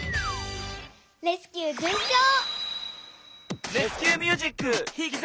レスキューじゅんちょう！